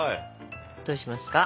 どうしますか？